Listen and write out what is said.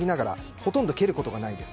ほとんど蹴ることがないです。